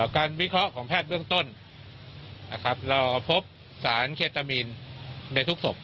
วิเคราะห์ของแพทย์เบื้องต้นนะครับเราพบสารเคตามีนในทุกศพ